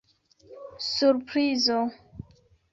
Surprizo.